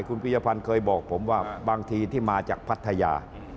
คุณปียพันธ์เคยบอกผมว่าบางทีที่มาจากพัทยา